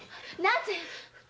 なぜ？